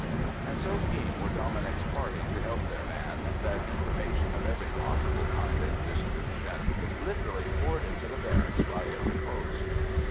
And so keen were Dominic's party to help their man, that information of every possible kind and description literally poured into the barracks by every post.